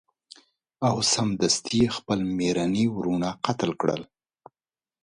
او سمدستي یې خپل میرني وروڼه قتل کړل.